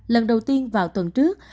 lần đầu tiên vào tuần trước